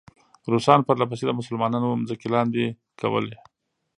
روسان پرله پسې د مسلمانانو ځمکې لاندې کولې.